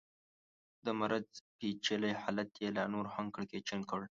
د مرض پېچلی حالت یې لا نور هم کړکېچن کړ.